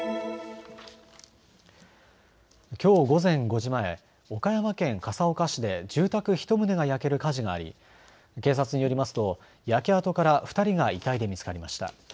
きょう午前５時前、岡山県笠岡市で住宅１棟が焼ける火事があり警察によりますと焼け跡から２人が遺体で見つかりました。